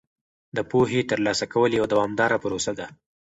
د پوهې ترلاسه کول یوه دوامداره پروسه ده.